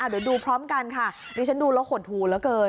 เดี๋ยวดูพร้อมกันค่ะนี่ฉันดูแล้วขนทูละเกิน